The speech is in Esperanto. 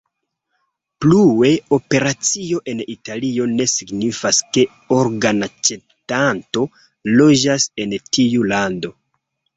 Plue, operacio en Italio ne signifas, ke organaĉetanto loĝas en tiu lando.